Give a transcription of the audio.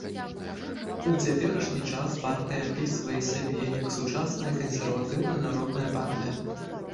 У цяперашні час партыя апісвае сябе як сучасная кансерватыўная народная партыя.